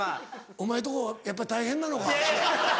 お前んとこやっぱ大変なのか。